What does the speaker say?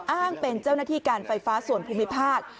อ้างเป็นเจ้าหน้าที่การไฟฟ้าส่วนภูมิภาค